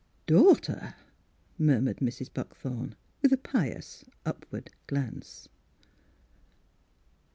"Daughter!" murmured Mrs. Buck thorn, with a pious upward glance.